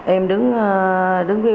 em đứng đi làm đứng đi làm